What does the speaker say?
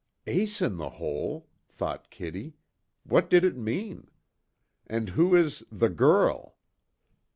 "Ace In The Hole!" thought Kitty, "What did it mean? And who is 'The girl?'